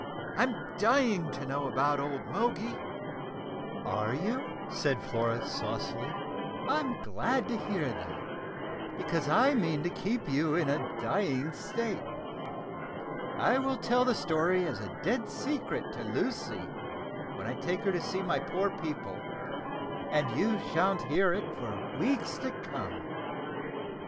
I'm dying to know about old Moggy." "Are you?" said Flora saucily. "I'm glad to hear that, because I mean to keep you in a dying state. I will tell the story as a dead secret to Lucy, when I take her to see my poor people, and you sha'n't hear it for weeks to come."